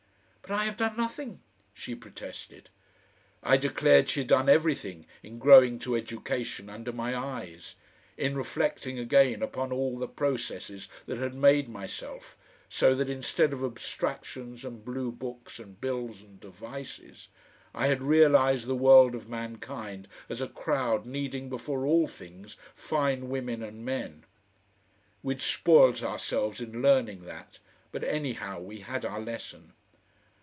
"But I have done nothing," she protested. I declared she had done everything in growing to education under my eyes, in reflecting again upon all the processes that had made myself, so that instead of abstractions and blue books and bills and devices, I had realised the world of mankind as a crowd needing before all things fine women and men. We'd spoilt ourselves in learning that, but anyhow we had our lesson.